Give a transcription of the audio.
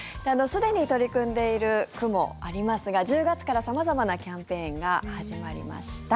すでに取り組んでいる区もありますが１０月から様々なキャンペーンが始まりました。